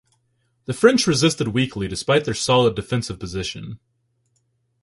The French resisted weakly despite their solid defensive position.